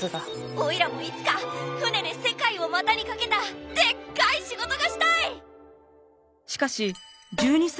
おいらもいつか船で世界を股にかけたでっかい仕事がしたい！